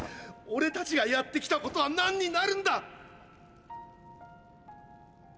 俺たちがやってきたことは何になるんだ